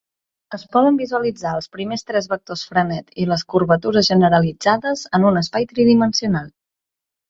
Es poden visualitzar els primers tres vectors Frenet i les curvatures generalitzades en un espai tridimensional.